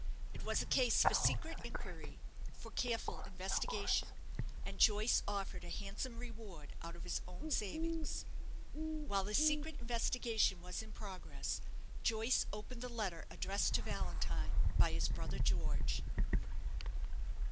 It was a case for secret inquiry, for careful investigation; and Joyce offered a handsome reward out of his own savings. While this secret investigation was in progress, Joyce opened the letter addressed to Valentine by his brother George.